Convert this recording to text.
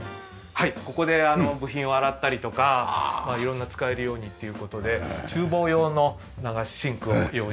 はいここで部品を洗ったりとか色んな使えるようにっていう事で厨房用の流しシンクを用意してもらいました。